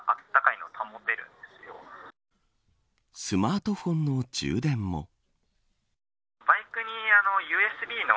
スマートフォンの充電も。